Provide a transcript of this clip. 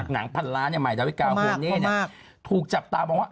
หนังพันล้านใหม่ดาวิกาโฮเน่ถูกจับตามองว่า